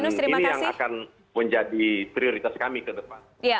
dan ini yang akan menjadi prioritas kami ke depan